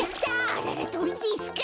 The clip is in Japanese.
あららとりですか。